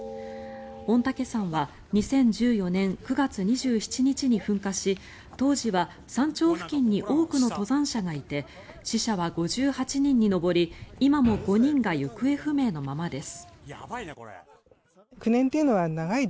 御嶽山は２０１４年９月２７日に噴火し当時は山頂付近に多くの登山者がいて死者は５８人に上り今も５人が行方不明のままです。